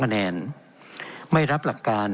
เป็นของสมาชิกสภาพภูมิแทนรัฐรนดร